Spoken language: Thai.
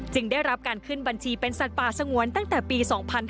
ได้รับการขึ้นบัญชีเป็นสัตว์ป่าสงวนตั้งแต่ปี๒๕๕๙